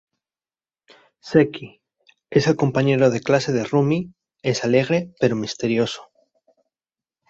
Seki, es el compañero de clase de Rumi, es alegre, pero misterioso.